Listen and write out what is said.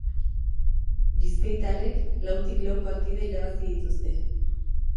Bizkaitarrek lautik lau partida irabazi dituzte.